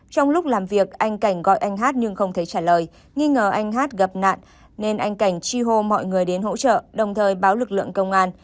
trong lúc làm việc anh cảnh gọi anh hát nhưng không thấy trả lời nghi ngờ anh hát gặp nạn nên anh cảnh chi hô mọi người đến hỗ trợ đồng thời báo lực lượng công an